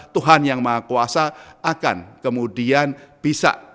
tuhan yang maha kuasa akan kemudian bisa